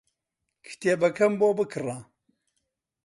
کتێبەکەم بۆ بکڕە.